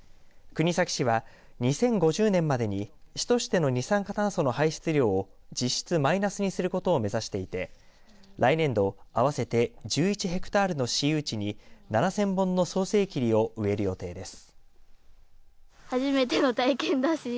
国東市は２０５０年までに市としての二酸化炭素の排出量を実質マイナスにすることを目指していて来年度合わせて１１ヘクタールの市有地に７０００本の早生桐を植える予定です。